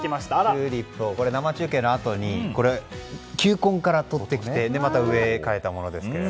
チューリップを生中継のあとに球根から取ってきてまた植え替えたものです。